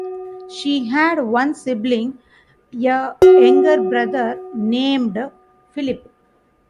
She had one sibling, a younger brother named Philip.